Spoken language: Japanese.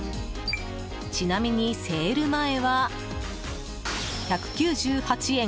ちなみにセール前は１９８円。